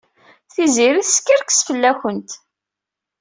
Tiziri teskerkes fell-awent.